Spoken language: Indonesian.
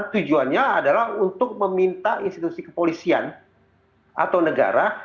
tujuannya adalah untuk meminta institusi kepolisian atau negara